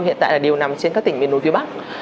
hiện tại đều nằm trên các tỉnh miền núi phía bắc